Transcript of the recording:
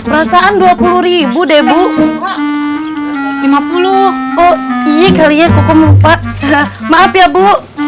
perasaan rp dua puluh debu lima puluh oh iya kali ya koko lupa maaf ya bu